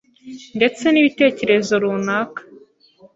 ndetse n’ibitekerezo runaka,